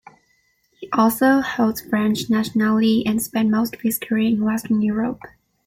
He also holds French nationality and spent most of his career in Western Europe.